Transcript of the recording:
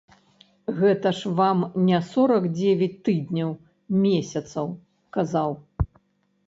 Гэта ж вам не сорак дзевяць тыдняў, месяцаў, казаў.